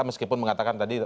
meskipun mengatakan tadi